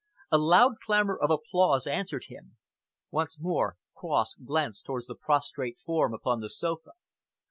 A loud clamour of applause answered him. Once more Cross glanced towards the prostrate form upon the sofa.